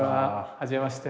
はじめまして。